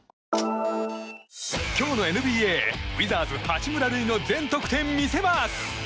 今日のＮＢＡウィザーズ八村塁の全得点見せます！